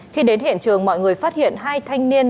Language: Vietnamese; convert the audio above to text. khi đến hiện trường mọi người phát hiện hai thanh niên